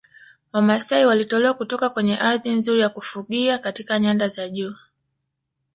Wamasai walitolewa kutoka kwenye ardhi nzuri ya kufugia katika nyanda za juu